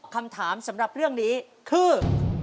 คำถามสำหรับเรื่องนี้คือ